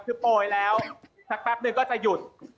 คือโปรยแล้วสักแป๊บนึงก็จะหยุด